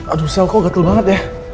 aduh sel kok gatel banget ya